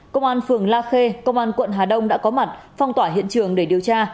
công an phường la khê công an quận hà đông đã có mặt phong tỏa hiện trường để điều tra